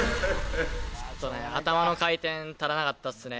ちょっとね頭の回転足らなかったっすね